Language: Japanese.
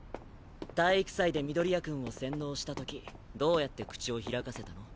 体育祭で緑谷くんを洗脳した時どうやって口を開かせたの？